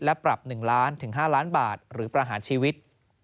และปรับ๑๕ล้านบาทหรือประหารชีวิต